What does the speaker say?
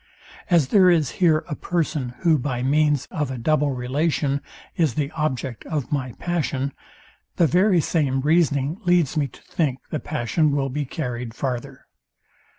As there is here a person, who by means of a double relation is the object of my passion, the very same reasoning leads me to think the passion will be carryed farther.